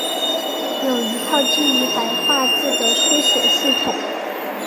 有一套基于白话字的书写系统。